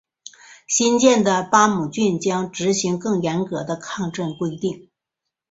新建的巴姆郡将执行更严格的抗震规定。